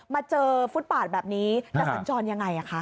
มาเจอฟุตบาทแบบนี้แต่สัญจรยังไงอะคะ